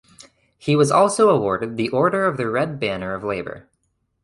He was also awarded the Order of the Red Banner of Labor.